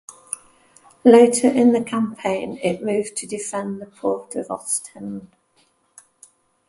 Later in the campaign it moved to defend the port of Ostend.